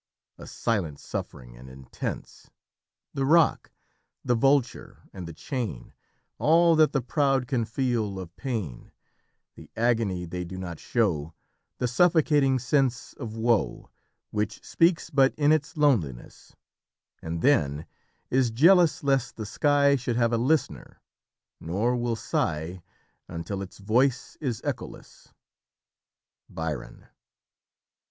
A silent suffering, and intense; The rock, the vulture, and the chain, All that the proud can feel of pain, The agony they do not show, The suffocating sense of woe, Which speaks but in its loneliness, And then is jealous lest the sky Should have a listener, nor will sigh Until its voice is echoless." Byron.